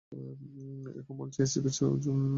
এখন বলছে এসিপি অর্জুন আমাদের খুঁজ পেয়ে গেছে।